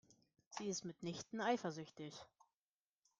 Sie ist mitnichten eifersüchtig.